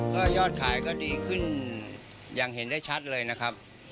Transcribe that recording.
ก็ยอดขายก็ดีขึ้นอย่างเห็นได้ชัดเลยนะครับ